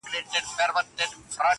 ته وایه و تیارو لره ډېوې لرې که نه,